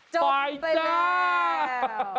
จบไปแล้ว